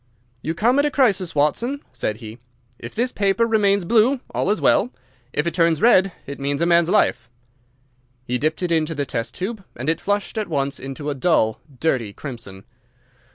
"You come at a crisis, Watson," said he. "If this paper remains blue, all is well. If it turns red, it means a man's life." He dipped it into the test tube and it flushed at once into a dull, dirty crimson.